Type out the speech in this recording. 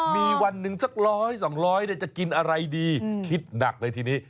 มีวันหนึ่งสักร้อยสองร้อยจะกินอะไรดีคิดหนักเลยทีนี้